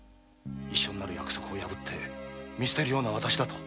一緒になる約束を破って見捨てるようなわたしだと。